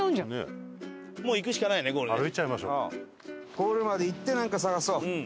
ゴールまで行ってなんか探そう。